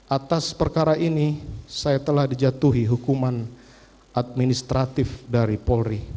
atas perkara ini saya telah dijatuhi hukuman administratif dari polri